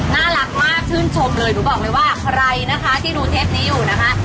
น่ารักมากชื่นชมเลยหนูบอกเลยว่าใครนะคะที่ดูเทปนี้อยู่นะคะ